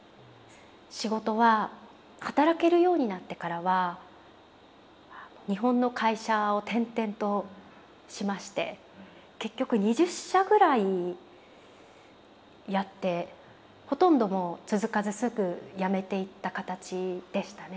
仕事は働けるようになってからは日本の会社を転々としまして結局２０社ぐらいやってほとんどもう続かずすぐやめていった形でしたね。